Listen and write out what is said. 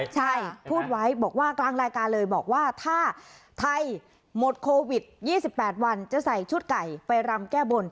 ใช่พูดไว้บอกว่ากลางรายการเลยบอกว่าถ้าไทยหมดโควิด๒๘วันจะใส่ชุดไก่ไปรำแก้บน